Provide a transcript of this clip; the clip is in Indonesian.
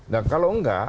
dan kalau enggak